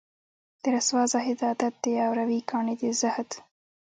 د رســــــوا زاهـــــد عـــــــادت دی اوروي کاڼي د زهد